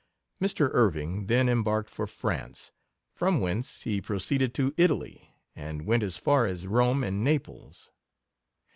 Mr. Irving then embarked for France, from whence he proceeded to Italy, and went as far as Rome and Naples.